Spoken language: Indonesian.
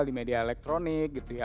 di media elektronik gitu ya